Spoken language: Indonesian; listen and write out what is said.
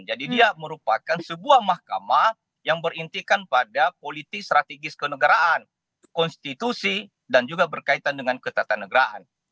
jadi dia merupakan sebuah mahkamah yang berintikan pada politik strategis kenegaraan konstitusi dan juga berkaitan dengan ketatanegaraan